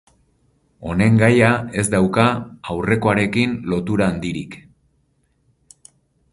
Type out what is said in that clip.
Honen gaia ez dauka aurrekoarekin lotura handirik.